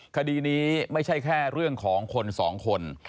คดีนี้ไม่ใช่แค่เรื่องของคนสองคน